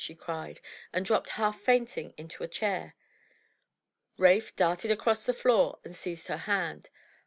she cried, and dropped half fainting into a chair. Rafe darted across the floor and seized her hand.